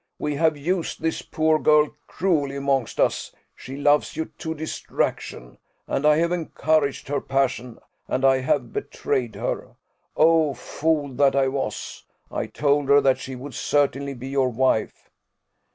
We have used this poor girl cruelly amongst us: she loves you to distraction, and I have encouraged her passion, and I have betrayed her oh, fool that I was! I told her that she would certainly be your wife."